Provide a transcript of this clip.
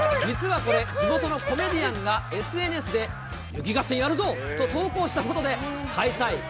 実はこれ、地元のコメディアンがＳＮＳで雪合戦やるぞと投稿したことで、開催。